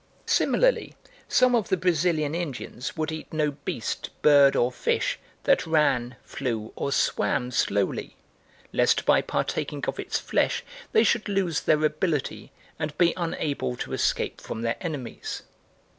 Similarly some of the Brazilian Indians would eat no beast, bird, or fish that ran, flew, or swam slowly, lest by partaking of its flesh they should lose their ability and be unable to escape from their enemies.